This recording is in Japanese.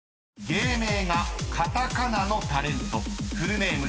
芸名がカタカナのタレントさん。